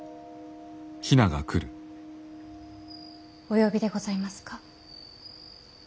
お呼びでございますか。